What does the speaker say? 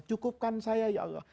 cukupkan saya ya allah